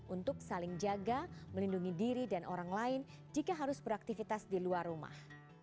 untuk saling jaga melindungi diri dan orang lain jika harus beraktivitas di luar rumah